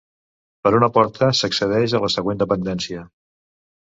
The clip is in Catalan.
Per una porta s'accedeix a la següent dependència.